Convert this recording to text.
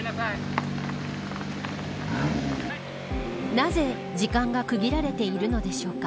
なぜ時間が区切られているのでしょうか。